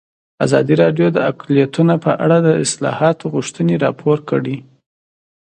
ازادي راډیو د اقلیتونه په اړه د اصلاحاتو غوښتنې راپور کړې.